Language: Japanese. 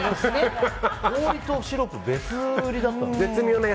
氷とシロップ別売りだったんですね。